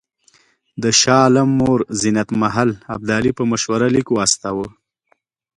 د شاه عالم مور زینت محل ابدالي په مشوره لیک واستاوه.